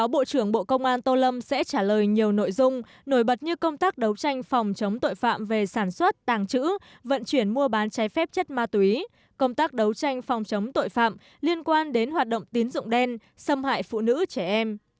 bộ trưởng bộ công an tô lâm sẽ trả lời nhiều nội dung nổi bật như công tác đấu tranh phòng chống tội phạm về sản xuất tàng trữ vận chuyển mua bán trái phép chất ma túy công tác đấu tranh phòng chống tội phạm liên quan đến hoạt động tín dụng đen xâm hại phụ nữ trẻ em